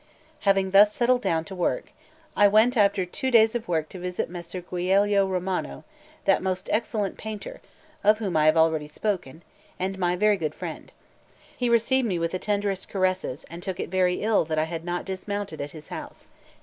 Having thus settled down to work, I went after two days to visit Messer Giulio Romano, that most excellent painter, of whom I have already spoken, and my very good friend. He received me with the tenderest caresses, and took it very ill that I had not dismounted at his house.